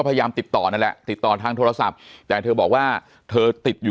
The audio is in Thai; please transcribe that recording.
พยายามติดต่อนั่นแหละติดต่อทางโทรศัพท์แต่เธอบอกว่าเธอติดอยู่